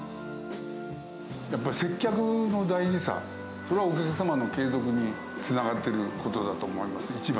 やっぱり、接客の大事さ、それはお客様の継続につながってることだと思います、一番。